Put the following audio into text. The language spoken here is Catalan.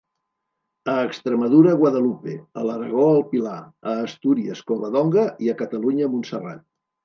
A Extremadura, Guadalupe; a l'Aragó, el Pilar; a Astúries, Covadonga, i a Catalunya, Montserrat.